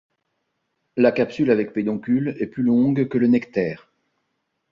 La capsule avec pédoncule est plus longue que le nectaire.